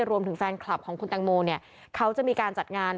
รวมถึงแฟนคลับของคุณแตงโมเนี่ยเขาจะมีการจัดงาน